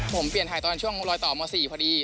ผมเปลี่ยนถ่ายตอนช่วงรอยต่อม๔พอดี